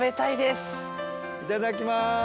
いただきます。